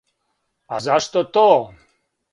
А зашто то?